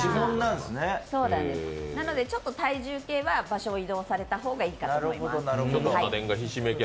なので体重計は、場所を移動させた方がいいと思います。